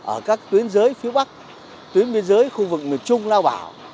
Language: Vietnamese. ở các tuyến giới phía bắc tuyến biên giới khu vực miền trung lao bảo